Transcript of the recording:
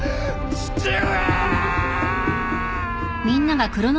父上！